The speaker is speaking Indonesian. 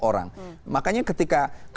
orang makanya ketika kpk